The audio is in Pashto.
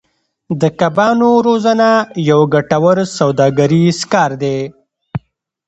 د کبانو روزنه یو ګټور سوداګریز کار دی.